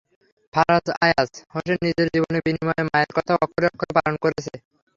ফারাজ আইয়াজ হোসেন নিজের জীবনের বিনিময়ে মায়ের কথা অক্ষরে অক্ষরে পালন করেছে।